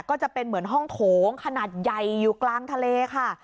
ก็จะเป็นเหมือนห้องโถงขนาดใหญ่อยู่กลางทะเลค่ะ